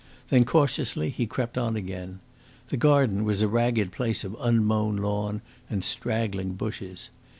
Then cautiously he crept on again. The garden was a ragged place of unmown lawn and straggling bushes.